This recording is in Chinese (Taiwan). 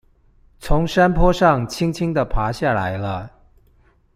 從山坡上輕輕地爬下來了